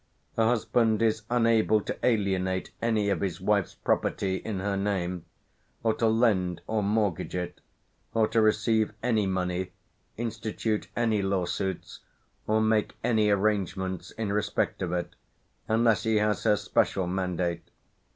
A husband is unable to alienate any of his wife's property in her name, or to lend or mortgage it, or to receive any money, institute any law suits, or make any arrangements in respect of it unless he has her special mandate....